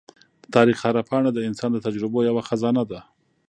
د تاریخ هره پاڼه د انسان د تجربو یوه خزانه ده.